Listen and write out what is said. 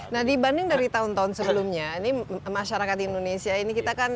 nah dibanding dari tahun tahun sebelumnya ini masyarakat indonesia ini kita kan